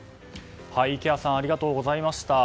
池谷さんありがとうございました。